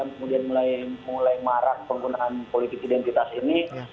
kemudian mulai marak penggunaan politik identitas ini